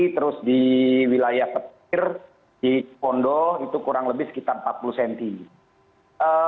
terus di wilayah petir di pondo itu kurang lebih sekitar empat puluh cm